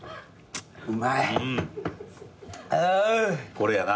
これやな。